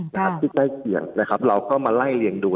ที่ใต้เคียงเราก็มาไล่เลี่ยงดู